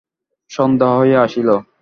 সন্ধ্যা হইয়া আসিল।